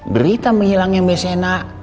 berita menghilangnya mba sienna